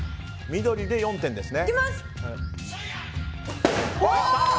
緑で４点です。